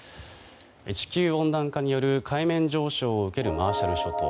地球温暖化による海面上昇を受けるマーシャル諸島。